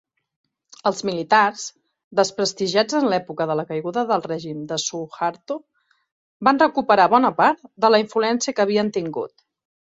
Els militars, desprestigiats en l'època de la caiguda del règim de Suharto, van recuperar bona part de la influència que havien tingut.